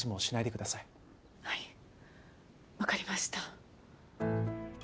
はいわかりました。